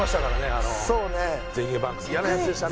あのゼニゲバンクス嫌な奴でしたね